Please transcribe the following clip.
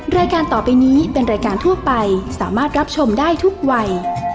รายการต่อไปนี้เป็นรายการทั่วไปสามารถรับชมได้ทุกวัย